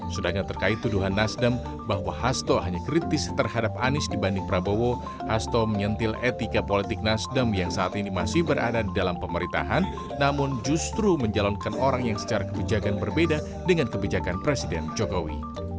sedangkan terkait tuduhan nasdem bahwa hasto hanya kritis terhadap anies dibanding prabowo hasto menyentil etika politik nasdem yang saat ini masih berada di dalam pemerintahan namun justru menjalankan orang yang secara kebijakan berbeda dengan kebijakan presiden jokowi